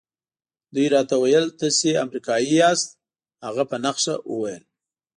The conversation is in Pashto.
دوی راته وویل تاسي امریکایی یاست. هغه په نښه وویل.